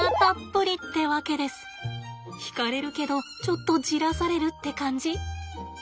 惹かれるけどちょっとじらされるって感じ？